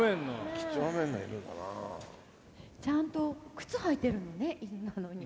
ちゃんと靴履いてるのね犬なのに。